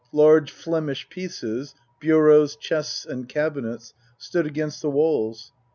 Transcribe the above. Large Flemish pieces, bureaus, chests and cabinets stood against the walls.